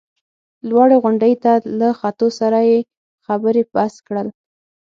لوړې غونډۍ ته له ختو سره یې خبرې بس کړل.